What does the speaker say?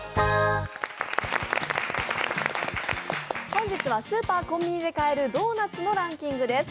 本日はスーパー、コンビニで買えるドーナツのランキングです。